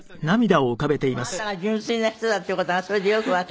何？